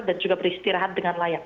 juga beristirahat dengan layak